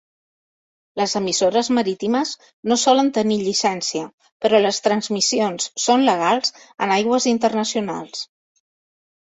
Les emissores marítimes no solen tenir llicència, però les transmissions són legals en aigües internacionals.